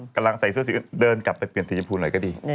กำลังใส่เสื้อสีอื่นเดินกลับไปเปลี่ยนสีชมพูหน่อยก็ดี